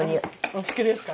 お好きですか。